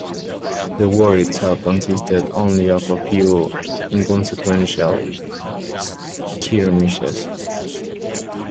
The war itself consisted only of a few inconsequential skirmishes.